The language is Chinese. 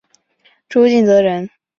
朱敬则人。